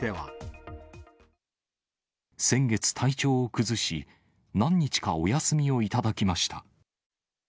先月、体調を崩し、何日かお休みを頂きました。